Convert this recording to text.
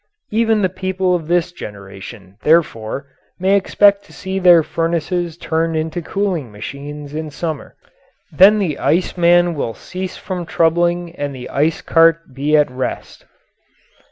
Even the people of this generation, therefore, may expect to see their furnaces turned into cooling machines in summer. Then the ice man will cease from troubling and the ice cart be at rest.